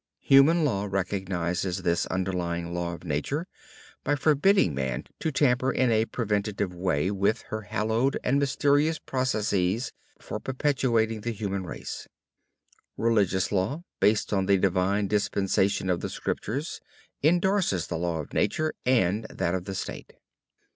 Human law recognizes this underlying law of nature by forbidding man to tamper in a preventive way with her hallowed and mysterious processes for perpetuating the human race. Religious law, based on the divine dispensation of the Scriptures, indorses the law of nature and that of the state.